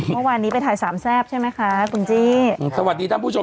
เมื่อวานนี้ไปถ่ายสามแซ่บใช่ไหมคะคุณจี้สวัสดีท่านผู้ชม